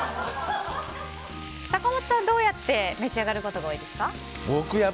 坂本さん、どうやって召し上がることが多いですか？